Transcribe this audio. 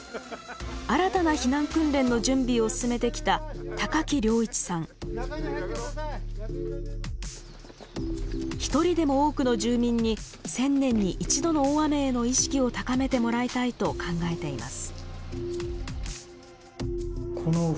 新たな避難訓練の準備を進めてきた一人でも多くの住民に１０００年に１度の大雨への意識を高めてもらいたいと考えています。